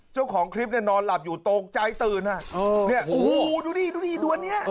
เจ้าของคลิปเนี่ยนอนหลับอยู่ตกใจตื่นฮะโอ้โหดูดิดูดิดูอันเนี่ย